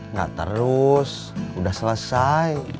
nggak terus udah selesai